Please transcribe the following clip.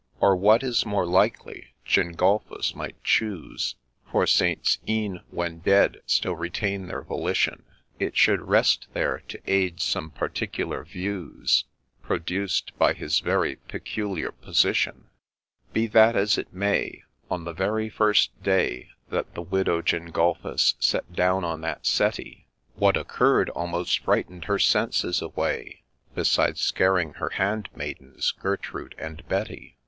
Or, what is more likely, Gengulphus might choose, For Saints, e'en when dead, still retain their volition, It should rest there, to aid some particular views, Produced by his very peculiar position. Be that as it may, on the very first day That the widow Gengulphus sat down on that settee, What occurr'd almost frighten'd her senses away, Beside scaring her hand maidens, Gertrude and Betty.